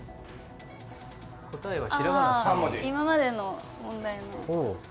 今までの問題の。